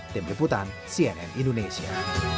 demi putan cnn indonesia